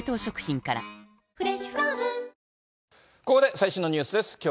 ここで最新のニュースです。